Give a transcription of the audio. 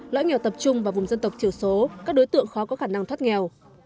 lõi nghèo tập trung vào vùng dân tộc thiểu số các đối tượng khó có khả năng thoát nghèo